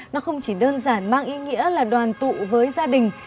nó không chỉ đơn giản mang ý nghĩa là đoàn tụ với gia đình